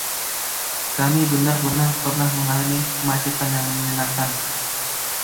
Kami benar-benar pernah mengalami kemacetan yang menyenangkan.